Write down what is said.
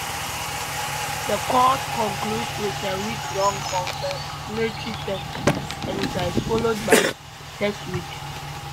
The course concludes with a week-long confirmatory test exercise followed by "Test Week".